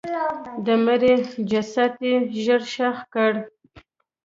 د مړي جسد یې ژر ښخ کړ.